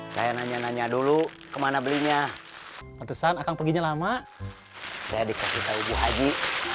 saya nanya nanya dulu kemana belinya keputusan akan perginya lama saya dikasih tahu haji